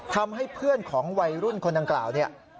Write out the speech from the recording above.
ทำให้เพื่อนของวัยรุ่นคนดังกล่าวเนี่ย